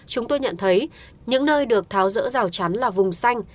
chúng tôi nhận thấy những nơi được tháo rỡ rào chắn là vùng xanh